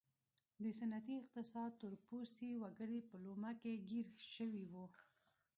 د سنتي اقتصاد تور پوستي وګړي په لومه کې ګیر شوي وو.